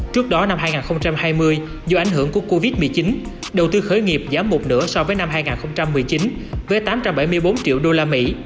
trước đó năm hai nghìn hai mươi do ảnh hưởng của covid một mươi chín đầu tư khởi nghiệp giảm một nửa so với năm hai nghìn một mươi chín với tám trăm bảy mươi bốn triệu đô la mỹ